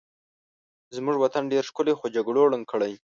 زمونږ وطن ډېر ښکلی خو جګړو ړنګ کړی